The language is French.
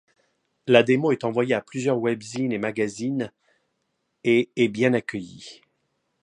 La démo est envoyée à plusieurs webzines et magazines, et est bien accueillie.